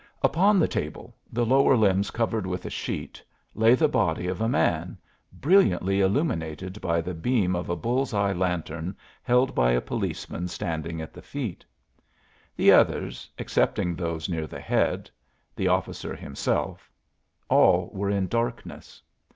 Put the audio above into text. Upon the table, the lower limbs covered with a sheet, lay the body of a man, brilliantly illuminated by the beam of a bull's eye lantern held by a policeman standing at the feet. The others, excepting those near the head the officer himself all were in darkness.